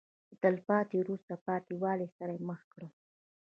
د تلپاتې وروسته پاتې والي سره یې مخ کړل.